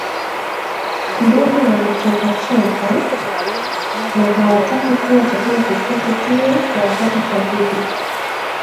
Ndege wanachoka choka na hawataki kula Chakula chochote kile kwa wakati sahihi